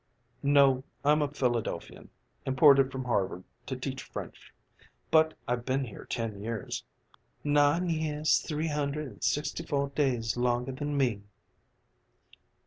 "No, I'm a Philadelphian. Imported from Harvard to teach French. But I've been here ten years." "Nine years, three hundred an' sixty four days longer than me."